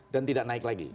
dan tidak naik lagi